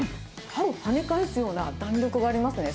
歯を跳ね返すような弾力がありますね。